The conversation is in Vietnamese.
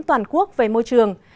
hàn quốc về môi trường